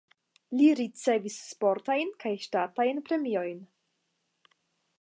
Li ricevis sportajn kaj ŝtatan premiojn.